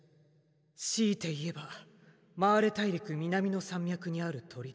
強いて言えばマーレ大陸南の山脈にある砦。